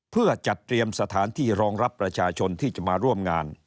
เพื่อจัดเตรียมสถานที่รองรับประชาชนที่จะมาร่วมงาน